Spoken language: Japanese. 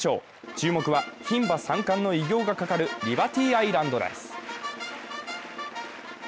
注目はひん馬３冠の偉業がかかるリバティアイランドです。